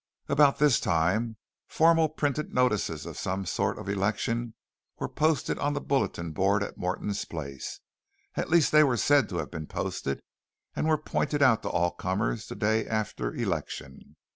About this time formal printed notices of some sort of election were posted on the bulletin board at Morton's place. At least they were said to have been posted, and were pointed out to all comers the day after election.